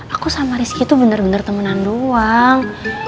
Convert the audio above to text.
aku sama rizky tuh bener bener temenan doang